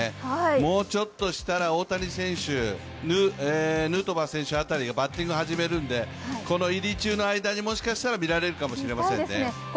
もうちょっとしたら大谷選手、ヌートバー選手辺りがバッティングを始めるので、この入り中の間に見られるかもしれませんね。